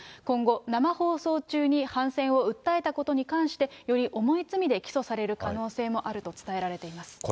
今後、生放送中に反戦を訴えたことに関して、より重い罪で起訴される可能性もあると伝えられています。